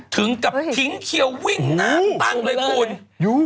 ถึงกับทิ้งเขียววิ่งหน้าตั้งเลยคุณ